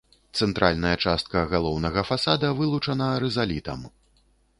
Цэнтральная частка галоўнага фасада вылучана рызалітам.